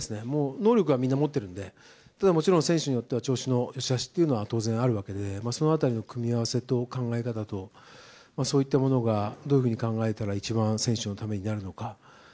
能力はみんな持ってるのでもちろん選手によっては調子の良しあしがあるのでその辺りの組み合わせと考え方そういったものがどう考えたら一番選手のためになるのか。